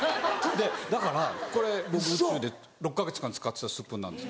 だからこれ僕宇宙で６か月間使ってたスプーンなんです。